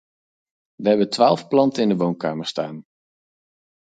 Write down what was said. We hebben twaalf planten in de woonkamer staan.